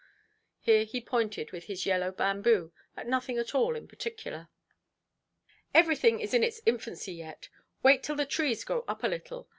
Here he pointed with his yellow bamboo at nothing at all in particular. "Everything is in its infancy yet. Wait till the trees grow up a little.